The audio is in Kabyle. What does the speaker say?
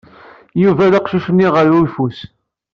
Yuba d aqcic-nni ɣer yeffus.